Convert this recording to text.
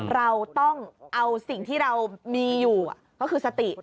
เราต้องเอาสิ่งที่เรามีอยู่ก็คือสติ